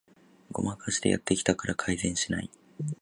ごまかしてやってきたから改善しない